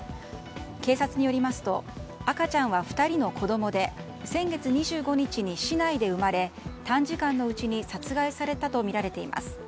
警察によりますと赤ちゃんは２人の子供で先月２５日に市内で生まれ短時間のうちに殺害されたとみられています。